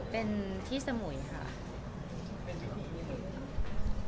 พี่สมุยค่ะ